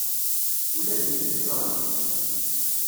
Ula d nitni ẓran-t.